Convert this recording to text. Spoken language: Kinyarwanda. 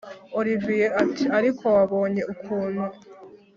olivier ati”ariko wabonye ukuntu